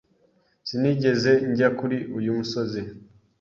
Sinigeze njya kuri uyu musozi.